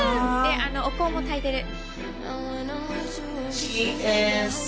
お香もたいてる。